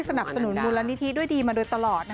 สนับสนุนมูลนิธิด้วยดีมาโดยตลอด